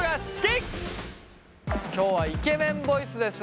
今日はイケメンボイスです。